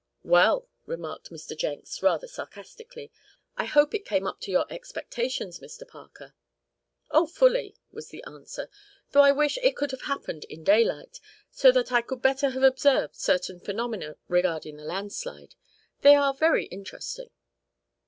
"Well," remarked Mr. Jenks, rather sarcastically, "I hope it came up to your expectations, Mr. Parker." "Oh, fully," was the answer, "though I wish it could have happened in daylight, so that I could better have observed certain phenomena regarding the landslide. They are very interesting."